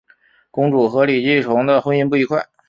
公主和李继崇的婚姻不愉快。